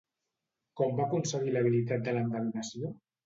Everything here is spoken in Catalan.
Com va aconseguir l'habilitat de l'endevinació?